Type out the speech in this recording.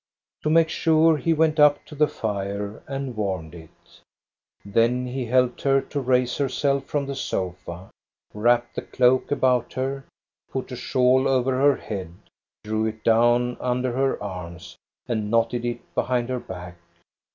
To make sure, he went up to the fire and warmed it. Then he helped her to raise herself from the sofa, wrapped the cloak about her, put a shawl over her head, drew it down under her arms, and knotted it behind her back.